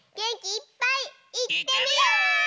いってみよう！